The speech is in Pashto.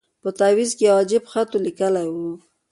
په تعویذ کي یو عجب خط وو لیکلی